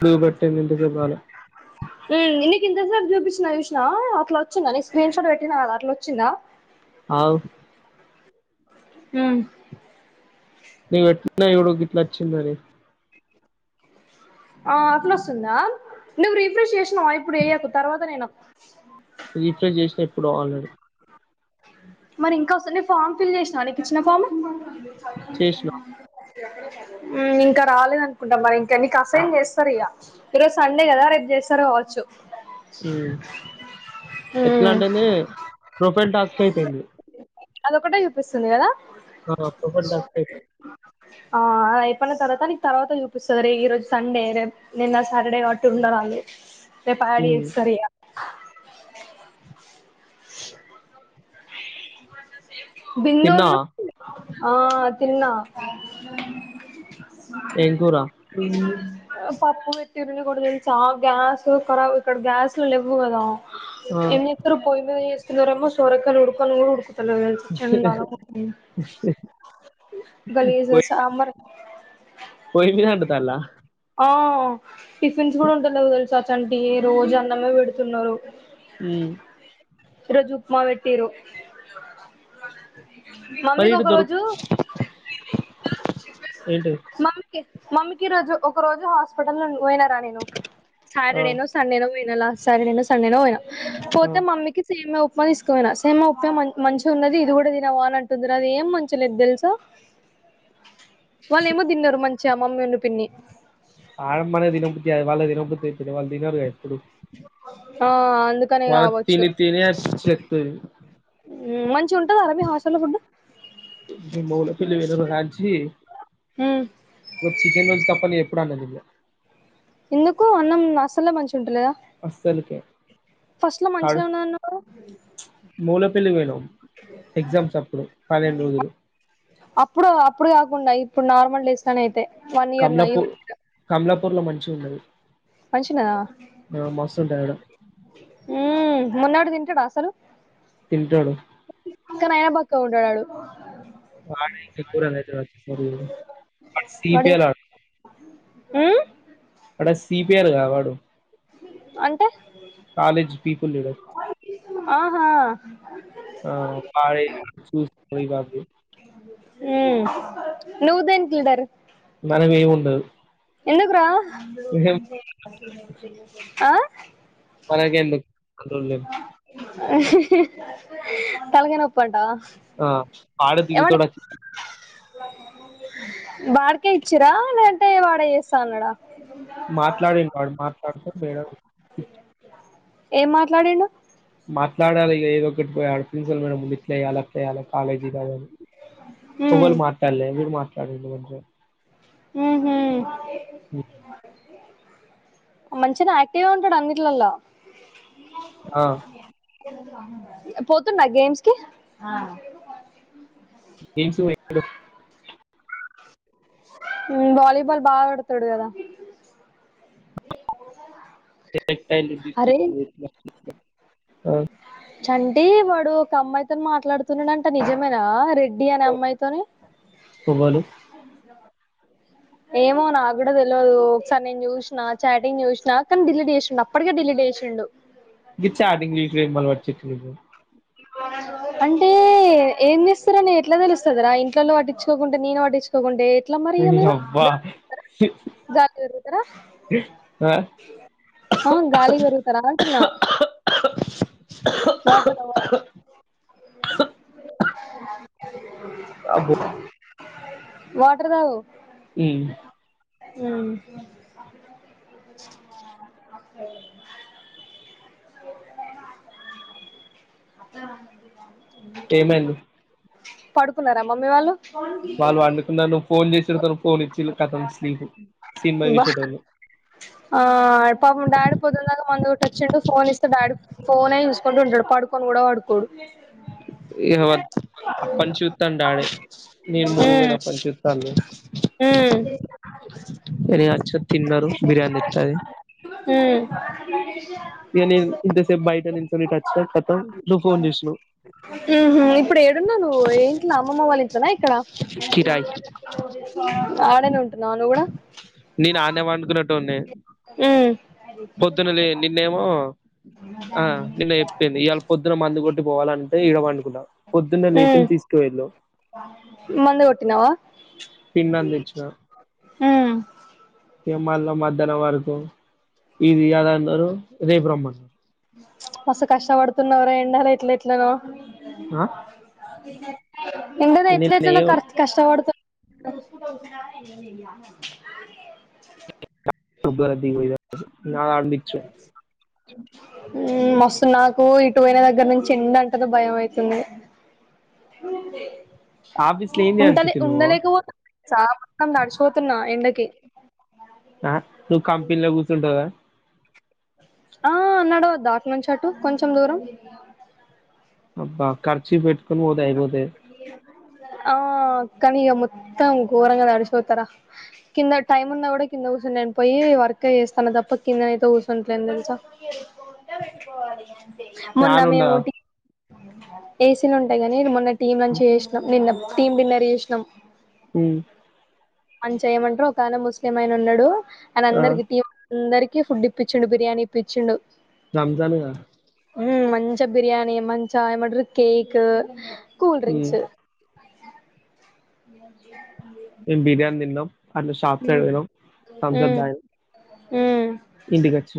గుడుబట్టె నిడి జబాల కింత సేపు చూపించినయూషిన అలా విందా నను స్క్రీన్ షాట్ పెట్టినాద అలా వచ్చిందా అవు మ్మ్ నీకు పెట్టిన చూడు గొట్టొచ్చింది అది ఆ అట్ల వస్తుందా నువ్వు రిఫ్రెష్ చేసినావ ఇప్పుడు వయ్యాకు తర్వాత నేను రీఫ్రెష్ చేసినా ఎప్పుడు ఆల్రెడీ మరి ఇంకా వస్తుంది న ఫామ్ ఫిల్ చేసినావ నీకు ఇచ్చిన ఫామ్ చ చేసిన మ్మ్ ఇంకా రాలేద అనుకుంటాం మరి ఇంకా నీకు అసైన్ చేస్తారు ఇక ఈరోజు సండే కదా రేపు చేస్తారు కావచ్చు మ్మ్ హ్మ్ ఎట్లాంటేనే ప్రొఫైల్ టాస్క్ చెడిపోయింది అదొకటే చూపిస్తుంది కదా ఆ ప్రొఫైల్ టాస్క్ అయిపోయింది ఆ ఎప్పనా తర్తా తర్వాత చూపిస్తారు ఈరోజు సండే రే నిన్న సాటర్డే అట్టి ఉండరూ ఆళ్ళు రేప్ యాడ్ ఉమ్ చేస్తారు ఇగ [inaudible] బిందూ ను తిన్నావా ఆ తిన్నా ఏం కూర మ్మ్ పప్పు పెట్ తిరుని కూడా తెలుసా గ్యాస్ కరాబ్ ఇక్కడ గ్యాస్ లేవ్వు కదా ఆ ఏమ్ చెత్తారు పొయ్యి మీద చేస్ ఇందులో ఏమో సొరకల్ ఉడుకన ను కూడా ఉడు అస్సలు చండాలంగా ఉంది గలీజ్ ఆ పొయ్యి సాంబార్ డల అవు టిఫిన్స్ కూడా ఉంటాలేవ్ చచంటి రోజు అన్నమే పెడుతున్నారు మ్మ్ రోజు ఉప్మా పెట్టిరు మరి మమ్మీకి ఇటు ఒక దొరుకు రోజు ఏంటిది మమ్మ్ మమ్మీకి రోజు ఒక రోజు హాస్పిటల్ లో పోయిన ను ఆ సటర్డే ను సంండే ను పోయిన లాస్ట్ సట సంండే ను పోయిన ఆ పోతే మమ్మీకి సేమ్యా ఉప్ మొన్న తీస్కపోయిన సేమ్యా ఉప్ప మా మంచిగా ఉన్నది ఇది కూడా తిన వాని అంటుంది అది ఏం మంచిలేదు తెలుసా వాళ్ళ ఏమో తిన్నారు మం చ మమ్మీ ను పిన్ని ఆడ మనకు తినబుద్ధి కాదు [unintelligible] వాళ్ళు తినరు గా ఎప్పుడూ ఆ అందుకనే మన తని కావచ్చు తినిపినిదే చెప్తది మ్మ్ మంచి ఉంట్ మూల పెల్లి వెళ రాంచి చికెన్ రోజు తప్పని ఎప్పుడు అన్నది ఎందుకో అన్నం అసలు మ ంటలే అస్సలకే ఫస్ట్ లో మంచిద కడు ఉన్నాదనవు మూలపల్లి పోయినావ్ ఎగ్జామ్స్ అప్పుడు పన్నెేను రోజులు అప్పుడు అప్పుడు కాకుండా ఇప్పుడు నార్మల్ డేస్ లోనే అయితే వన్ ఇయర్ నా కమలాపూర్ కమలాప పర్లో మంచి ఉన్నది మనుషన్దా ఆ మస్తు ఉంటాడు ఆడ మన్నాడు త బస్ అలు తింటాడు ఇంకనైనా బక్కుంటాడ్ ఆడు ఆడు ఇంకా చూడలే హైదరాబాదు ఆడు సిపిఎల్ ఆ అక్కడ సిపిఆర్ కాడు అంటే తాలిజ్ పీపుల్ లీడర్ ఆహా ఆ పాడే చూ నువ్వు దేనికి లీడర్ మనవేము ఉండ ఎందుకురా ఆ మనకెందుకు కంట్రోల్ అ తలకాయ నొప్పంటావా ఆ పాడ దగుతడచ్చ బాడకే ఇచ్చిరా లేదన్ పట్టే వాడే ఏసన్నడ మాట్లాడిన వాడు మాట్లాడితే వేరే ఏం మాట్లాడిడు మాట్లాడాలి ఇ ఏదో ఒకటి పోయా ఆడ ప్రిన్సల్ మే ముందు ప్లేయలా ప్లేయాల కాలేజీ కాదాల హ్మ్ ఎఒళ్ళు మాట్లాడలేదు వీడు మాట్లాడ చడలు వ హ్మ్ హు మ్మ్ మంచినే యాక్టివ్ గా ఉంటాడు అన్నిటిలలో ఆ పోతున్నా గేమ్స్ కి గేమ్స్ [inaudible] వాళిబాల్ బాగా ఆడతాడు కదా [inaudible] అరే ఆ చంటి వాడు ఒక అమ్మాయితో మాట్లాడుతున్నాడంట నిజమేనా రె డి అని అమ్మాయితోనే ఎవ్వలు ఏమో నాకు కూడా తెలువదు ఒకసారి నేను చూసిన చాటింగ్ చూసినా కానీ డిలీట్ చేసిండు అప్పటికే డిలీట్ చేసిండు గీచాటింగ్ చేసుడు ఏం అలవాటు చే నువ్వ అంటే ఏం చేస్తారని ఎట్లా తెలుస్తుందిరా ఇంట్లలో పట్టించుకోకుంటే నేను పట్టించుకోకుంటే నీయబ్బ గాలికి పెరుగుతారా ఆ, ఆ గాలికి పెరుగుతారా అంటున్నా వాటర్ తాగు వాటర్ అబ్బో వాటర్ తాగు ఉమ్, హ్మ్ ఏమైంది? పడుకున్నరా మమ్మీ వాళ్ళు? వాళ్ళు వండుకున్నా నువ్వు [unintelligible] ఫోన్ చేస్తడు పనుకో అని చిల్ కథం స్లీపు సినిమా బా చూసేటోళ్లు ఆ పాపం డాడీ పొద్దునదాకా మందు కొట్టొచ్చిండు ఫోన్ ఇస్తే డాడీ ఫోనే చూసుకుంటుంటాడు పడుకొని కూడా పడుకోడు ఇవ్వద్ అప్పట్ నుంచ్ చుత్తండు డాడీ నేను ములుకీ మ్మ్ పోయినప్పటినుంచి మ్మ్ [unintelligible] మీరు యచోట తిన్నారు బిరియాని తెత్తది హ్మ్ నేను ఇంతసేపు బయటనించోని టచ్వర్క్ కథం నువ్వు ఫోన్ చేసినవ్ మ్హు ఇప్పుడు ఏడున్నావు నువ్వు ఏ ఇంట్లో అమ్మమ్మ వాళ్ళ ఇంట్లోనా కిరాయి ఆ ఆడనే ఉంటున్నావా నువ్వు కూడా ఉండేది ఉమ్ పొద్దున లే నిన్నేమో ఆ నిన్న చెప్పింది, ఇవాళ పొద్దున మందు కొట్టి పోవాలంటే ఈడ పండుకున్న. ఉమ్ మందు కొట్టినవా? తిండి అందించిన ఉమ్ ఇగ మల్ల మధ్యాహ్నం వరకు. ఇది అదన్నారు రేపు రమ్మన్నారు. మస్తు కష్టపడుతున్నవురా, ఎండలో ఏట్లేట్లనో. ఆ ఇందులో నిన్న ఎట్లేట్లనొ ఏం కర్ కష్టపడుతున్ రుబ్బర [unintelligible] ఉమ్ మస్తు నాకు ఇటు పోయిన దగ్గర నుంచి, ఎండ అంటనే భయం అయితుంది. ఆఫీస్ లో ఏం [unintelligible] చేయాలి ఉంటది, చిట్టి నువ్వు ఉండలేకపోత చా మొత్తం నడిచిపోతున్నా ఎండక్ కే ఆ, నువ్వు కంపెనీలో కూర్చుంటవ్ కదా? ఆ నడవద్ద అటు నుంచి అటు కొంచెం దూరం? అబ్బా కర్ చి పెట్కొని పోతే అయిపోతది గద. కనీ ఇక మొత్తం ఘోరంగా తడిసిపోతరా. కింద టైమ్ ఉన్నా కూడా కింద కూర్చని నేన్ పోయి వర్క్ చేస్తాన తప్ప, కిందనయితే కూర్చుంటలేన్ తెలుస? మొన్న ఫ్యాన్ ఉండదా మేముటి ఏ ఉంటయిగా మొన్న టీం నుంచి చేసినాం నిన్న టీీమ్ విన్నర్ చేేస్నం. ఉమ్ అని చెయమంటరు, ఒక ఆయన ముస్లిం ఆయన ఉన్నడు. ఆడ ఆ అందరికి టీం [unintelligible] అందరికి. కి ఫుడ్ ఇపిచ్చిండు, బిర్యానీ ఇపిచ్చిండు. రమ్జానుగద ఉమ్ మంచిగ బిర్యాణి మంచిగా ఏమంటరూ cake. Cool um drinks. [inaudible] Biryani తిన్నాం అట్లా షాప్ సైడ్ పోయినాం థమ్స్ అప్ తాగినాం హ ఇంటికాచ్చ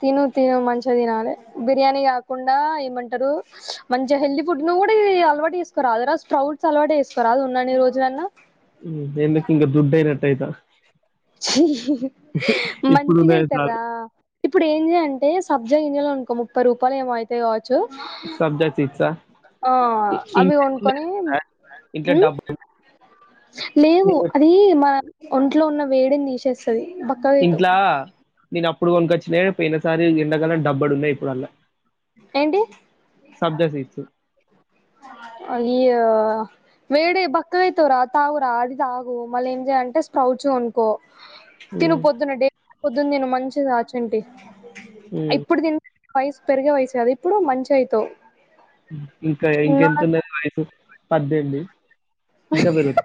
తిను తిను మంచిగా తినాలి బిర్యానీ కాకుండా ఏమంటారు మంచి హెల్దీ ఫుడ్ ను కూడా ఇది అలవాటు వేసుకోరా అదరా స్ప్రౌట్స్ అలవాటు వేసుకోరా అది ఉన్నాను రోజునన్నా దేందకి ఇంకా దుడ్డ యిత మంచిగా ఇప్పుడున్నయే అయితార చాలు. ఇప్పుడు ఏంటి అంటే సబ్జా ఇంయాలో అనుకో ముప్పై రూపాయలు ఏమవుతయోచ్చ సబ్జా సీడ్సా? ఇ అవి ఇంట్లెట్లున్నయి వనుకొని తెలుసా? ఇంట్లో డబ్బు లేవు నేను అది మా ఒంట్లో ఉన్న వేడిని నీసేస్తుంది ఇంట్లా నేను అప్పుడు కొనుకొచ్చిన పోయిన సారి ఎండగలని డబ్బడు ఉన్నాయి ఇప్పుడు అల్లా ఏంటి ఈ వేడే బక్క అవుతవ రా తాగురా అది తాగు మళ్ళీ ఏం చేయంటే స్ప్రౌచ్ కొనుకో తిను హ్మ్. పొద్దున్న డే పొద్దున్న నేను మంచి చ్చంటి హ్మ్. ఇప్పుడు ది వయసు పెరిగా వయసు అది ఇప్పుడు మంచి అవుతావు ఇంకా ఇంకెంతంద వయసు పద్దెనిమిది ఇంకా బరువు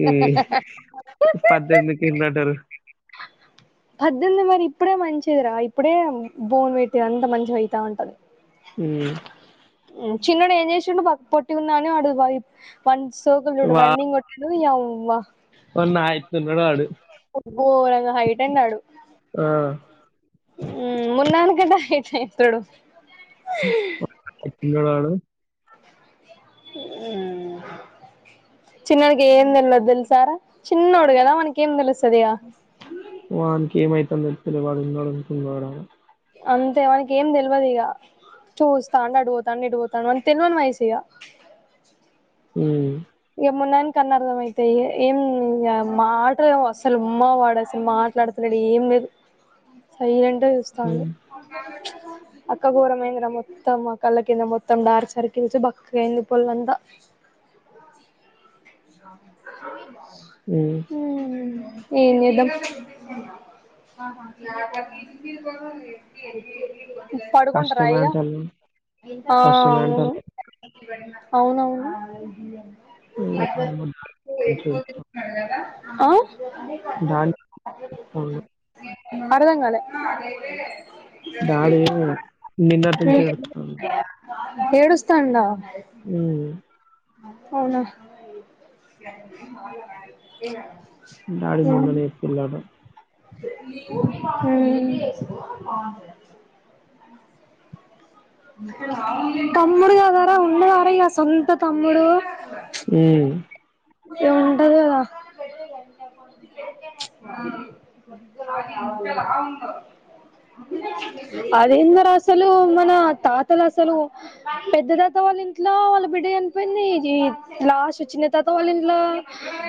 ఈ పద్దెనిమిది ఎందంటారు పద్దెనిమిది మరి ఇప్పుడే మంచిదిరా ఇప్పుడే బోన్ పెట్టేది అంత మంచిగా అవుతా ఉంటది హ చిన్నోడు ఏం చేసిండు పొట్టిగున్నావ్ అని సోకుకు చూడు వా రన్నింగ్ కొట్టిండు యవ్వా న్నాడు ోరంగా హైట్ అన్నాడు ఆ! మున్నానికంటా హైట్యి చడు ఇంగా దాదు చిన్నడికి ఏం తెలదు తెలుసారా చిన్నోడు కదా మనక ఏం తెలుస్తుంది ఇక వానికి ఏమవుతుంద తెలి వాడుడుకుడ అంతే మనకి ఏం తెలియదు ఇక చూస్తా అండి అడిగుతాండి అడిపోతాను అని తెలివని వయసు ఇగ ఉ ఇంక మున్నానికి అన్నర్థం అయితే ఏం మాటలే అసలు ఉమ్మా వాడసలు మాట్లాడుతన్నాడు ఏం లేదు సైరండి వస్స్తాను హ్మ్. అక్క ఘోరమంద మొత్తం ఆ కళ్ళ కింద మొత్తం డార్ సరికిల్ బక్కకి ఎంది పలంతా స ఉ ఏం జేద్దాం పడుకుంటరా కష్టమే ఇక అంటాల్లు. కష్టమే అంటారు. అవునవును అ హ్మ్. మ అ దాని అరదంగాల డాడీ నిన్నటి నుంచి ఏడుత్తాండు. ఏడుస్తథాండా అ అవునా ఏ డాడీ మొన్ననే ఏడ్చిందట అ అ ఆ తమ్ముడుగాదారా ఉన్న వారా సొంత తమ్ముడు హ ఇగ ఉంటది కదా అదేంది రా అసలు మన తాతలు అసలు పెద్ద తాత వాళ్ళ ఇంట్లో వాళ్ళ బిడ్డ చనిపోయింది లాస్ట్ చిన్న తాత వాళ్ళ ఇంట్లో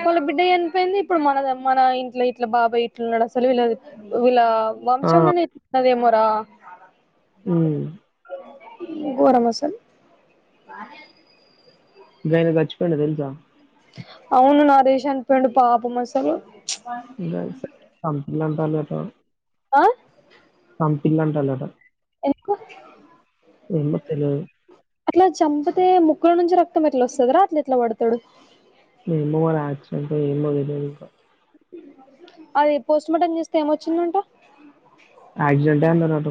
వాళ్ళ బిడ్డ చనిపోయింది ఇప్పుడు మన మన ఇంట్లో ఇట్లా బాబాయ్ ఇట్లు ఉన్నాడు అసలు వీలాదు వీళ్ళ ఆ! వంశంలో నేర్చస్తుదేమో హ గోరం అసల్ గాయన సచ్చిపోయిండు తెలుసా అవును నారేష్ చనిపోయిండు పాపం అసలు [unintelligible] తాలత ఆ సంపిల్లంటగదా ఎందుకు ఏమో తెలవదు. అట్లా చంపుతే ముక్కులో నుంచి రక్తం ఎల్లొస్తదరి రా అట్లెట్లా కొడతారు ఏమో మరి యాక్సిడెంట్ ఏమో తెద ఇంకా అది పోస్ట్మార్టం చేస్తే ఏమొచ్చిందంట క్సిడెంట్ అన్నారుట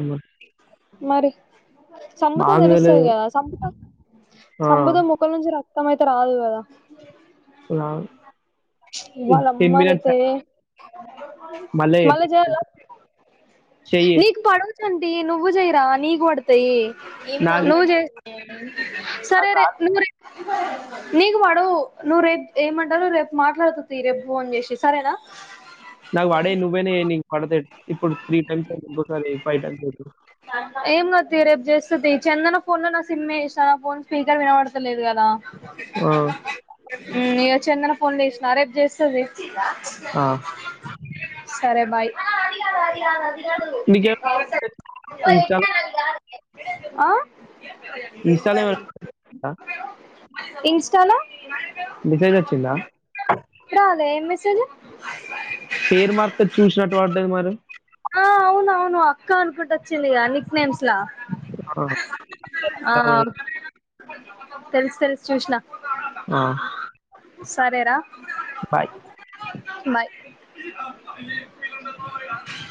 సంముత తెలుస్తుంది కదా సబత ఆ! సంబత ముక్కల నుంచి రా మొత్తమ అయితే రాదు కదా టెమ్ మినిట్స్ అ మళ్ళా చెయ్యి. మల్ల టెన్ జెయ్యాల మినిట్స్ చెయ్యి. నీక్ పడున్ అంటిీ నువ్వు జయరా నీగ వాడతయి నాకు ను్జ అ సరే నాకు రే రాదు. నూరు నీకు పడవు నువ్వు రేపు ఏమంటారు రేపు మాట్లాడుతు రేపుోన్ చేసి సరేనా నాగ వాడే నువ్వేనేని పడితే ఇప్పుడు త్రీ టైమ్స్ంకోసే ఫైవ్ టైమ్స్ అతి చెందన ఫోన్ లో నా సిమ్ వే ఇస్తాను ఫోన్ స్పీకర్ వినబడతలేదు కదా ఆ ఇక చెందన ఫోన్ లేసినా రేపు చేస్తుంది ఆ సరే బాయ్. అ అదాల అడిాల అద మెకెవర్ [unintelligible] ఆ ఇన్‌స్టాలో ఏమైనా ఇన్స్టాలో మెసేజ్ వచ్చిందా ఇప్పుడాల ఏం మెసేజ్ పేరు మార్త చూసినట్టు పడ్దది మరి ఆ అవున అవును అక్క అనుకుంట వచ్చింది అన్నిక్ నేమ్స్ లా ఆ అ తెలుసు తెలుసు చూసిన ఆ సరేరా. బాయ్. బాయ్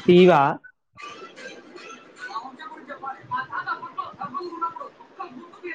టీ వా చెప్పాలి అబలు ఉన్నప్పుడు గు